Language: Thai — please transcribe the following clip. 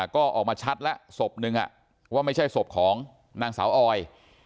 ก็ออกมาชัดแล้วศพนึงว่าไม่ใช่ศพของนางสาวออย